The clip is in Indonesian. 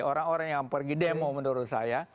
orang orang yang pergi demo menurut saya